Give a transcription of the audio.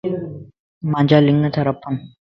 مانجا لنڳ تارڦن